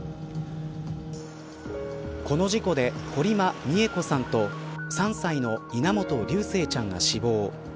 この事故で堀間美恵子さんと３歳の稲本琉正ちゃんが死亡。